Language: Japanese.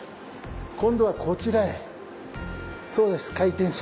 今度はこちらへそうです回転します。